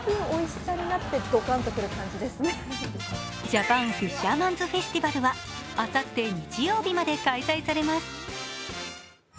ジャパン・フィッシャーマンズ・フェスティバルはあさって日曜日まで開催されます。